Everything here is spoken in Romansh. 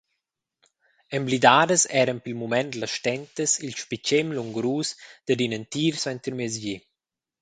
Emblidadas eran pil mument las stentas, il spitgem lungurus dad in entir suentermiezdi.